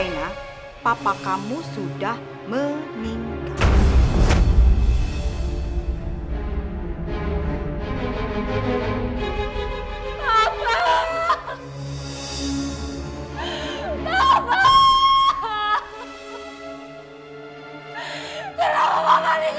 kenapa papa meninggalin raina